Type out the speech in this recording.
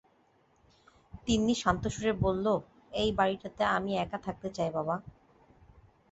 তিন্নি শান্ত সুরে বলল, এই বাড়িটাতে আমি একা থাকতে চাই বাবা।